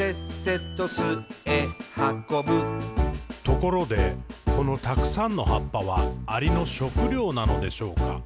「ところで、このたくさんの葉っぱは、アリの食料なのでしょうか？